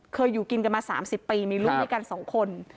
อยู่กินกันมา๓๐ปีมีลูกด้วยกัน๒คน